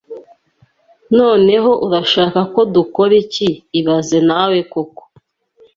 Noneho urashaka ko dukora iki ibaze nawe koko